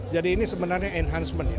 jadi ini sebenarnya enhancement